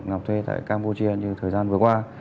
ngọc thuê tại campuchia như thời gian vừa qua